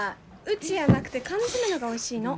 うちやなくて缶詰のがおいしいの。